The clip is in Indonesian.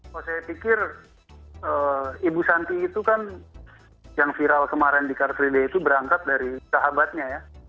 kalau saya pikir ibu santi itu kan yang viral kemarin di car free day itu berangkat dari sahabatnya ya